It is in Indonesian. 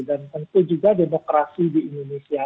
dan tentu juga demokrasi di indonesia